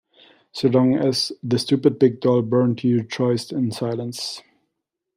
So long as the stupid big doll burned he rejoiced in silence.